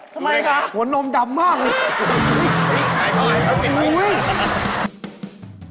ทำไมคะหัวนมดำมากเลยครับ